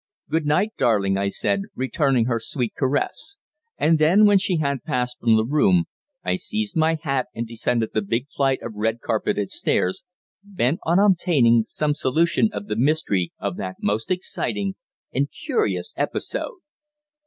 "Good night, darling," I said, returning her sweet caress; and then, when she had passed from the room, I seized my hat and descended the big flight of red carpeted stairs, bent on obtaining some solution of the mystery of that most exciting and curious episode.